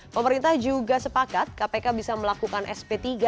pemerintah juga sepakat kpk bisa melakukan sp tiga